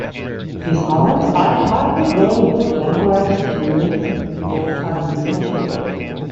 His comments are hardly going to encourage tourism and business to Wales.